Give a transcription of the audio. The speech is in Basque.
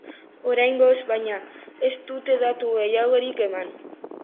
Oraingoz, baina, ez dute datu gehiagorik eman.